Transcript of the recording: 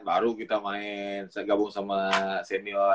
baru kita main gabung sama senior